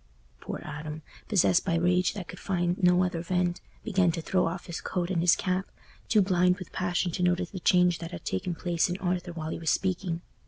Poor Adam, possessed by rage that could find no other vent, began to throw off his coat and his cap, too blind with passion to notice the change that had taken place in Arthur while he was speaking.